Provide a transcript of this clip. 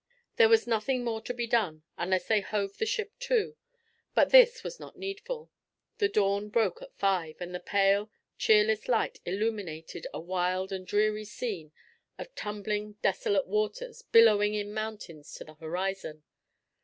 There was nothing more to be done, unless they hove the ship to; but this was not needful. The dawn broke at five, and the pale, cheerless light illuminated a wild and dreary scene of tumbling desolate waters billowing in mountains to the horizon.